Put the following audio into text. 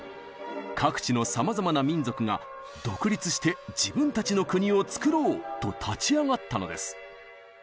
各地のさまざまな民族が独立して自分たちの国をつくろう！と立ち上がったのです。